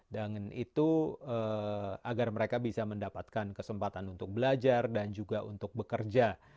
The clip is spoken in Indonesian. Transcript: dan itu agar mereka bisa mendapatkan kesempatan untuk belajar dan juga untuk bekerja